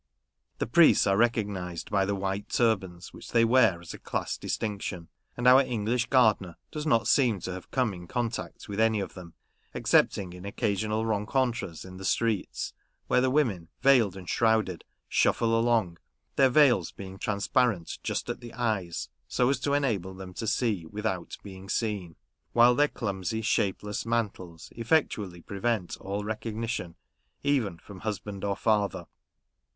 The priests are recognised by the white turbans which they wear as a class distinction ; and our English gardener does not seem to have come in contact with any of them, excepting in occasional rencontres in the streets ; where the women, veiled and shrouded, shuffle along — their veils being transparent just at the eyes, so as to enable them to see without being seen ; while their clumsy, shapeless mantles effectually prevent all recognition even from husband or father.